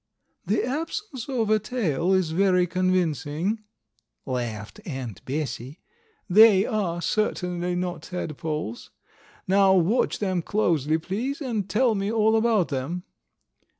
"The absence of a tail is very convincing," laughed Aunt Bessie. "They are certainly not tadpoles. Now watch them closely, please, and tell me all about them."